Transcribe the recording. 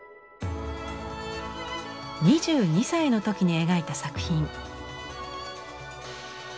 ２２歳の時に描いた作品。